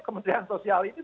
kementerian sosial ini